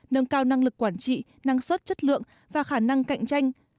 nâng cao năng lực quản trị năng suất chất lượng và khả năng cạnh tranh